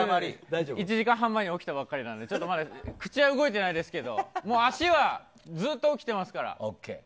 １時間半前に起きたばかりなのでちょっとまだ口は動いてないですけど足はずっと起きてますから。